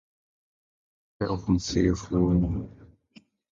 They often sell food.